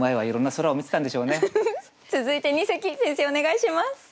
続いて二席先生お願いします。